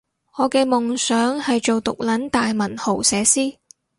我嘅夢想係做毒撚大文豪寫詩